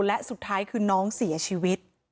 และสุดท้ายคือน้องเสียชีวิต